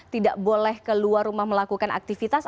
tidak boleh keluar rumah melakukan aktivitas